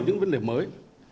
những vấn đề mới